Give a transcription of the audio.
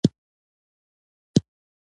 وګړي د خپلې خوښې پیروي کوي.